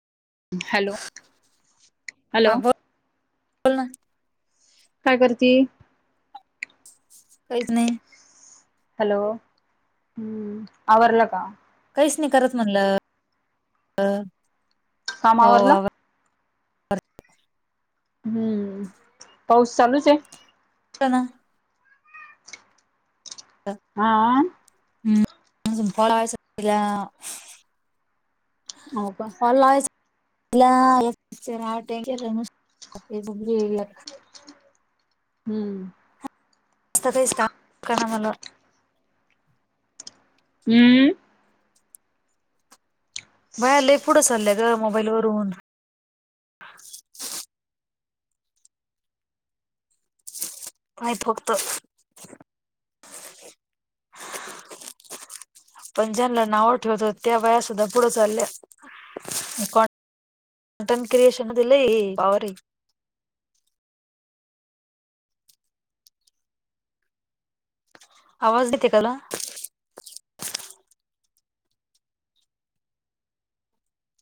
Hello -hello हा बोल बोल ना काय करते? काहीच नाही. हॅलो! आवारला का? काहीच नाही करत म्हणलं अ काम आवरलं? हम्म पाऊस चालूच हे [unintelligible] हम्म हं हं हो का [inaudible] [inaudible] हम्म असस्तज काणार म्हला [inaudible] हम्म बाय लय पुढं चाललंय ग मोबाईलवरून नाही फक्त. ह [inaudible] आपण ज्यांना नाव ठेवत त्या बाया सुद्धा पुढं चालल्यातं. कॉनटं क्रिएशन मध्ये लय पावर ये. आवाज देते काला